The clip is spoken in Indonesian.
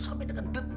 sampai dengan detiknya